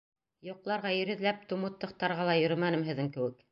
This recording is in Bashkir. Йоҡларға ир эҙләп думуттыхтарға ла йөрөмәнем һеҙҙең кеүек.